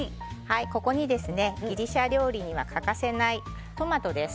ここにギリシャ料理には欠かせないトマトです。